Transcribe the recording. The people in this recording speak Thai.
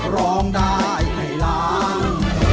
ร้องได้ให้ล้าน